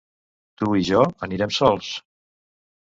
Tu i jo anirem sols.